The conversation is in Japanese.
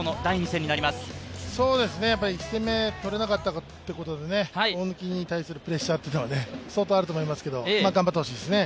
１戦目、とれなかったことで大貫に対するプレッシャーが相当あると思いますけど頑張ってほしいですね。